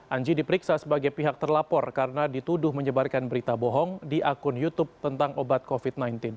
anji diperiksa sebagai pihak terlapor karena dituduh menyebarkan berita bohong di akun youtube tentang obat covid sembilan belas